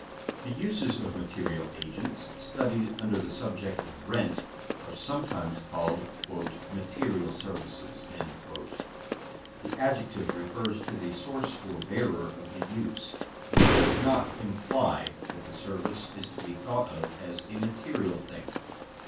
_ The uses of material agents, studied under the subject of rent, are sometimes called "material services." The adjective refers to the source or bearer of the use, and does not imply that the service is to be thought of as a material thing.